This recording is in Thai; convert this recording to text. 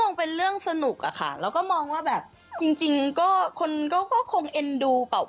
เป็นเรื่องสนุกอะค่ะแล้วก็มองว่าแบบจริงจริงก็คนก็คงเอ็นดูเปล่า